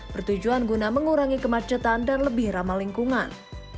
bertujuan guna mengurangi kemacetan dan lebih ramah lingkungan